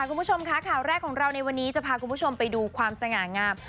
คุณผู้ชมค่ะข่าวแรกของเราในวันนี้จะพาคุณผู้ชมไปดูความสง่างาม